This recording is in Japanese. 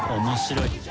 面白い。